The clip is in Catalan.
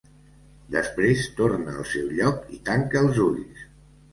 Després torna al seu lloc i tanca els ulls.